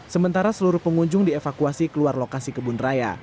sementara seluruh pengunjung dievakuasi keluar lokasi kebun raya